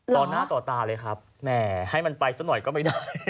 ต่อหน้าต่อตาเลยครับแหมให้มันไปสักหน่อยก็ไม่ได้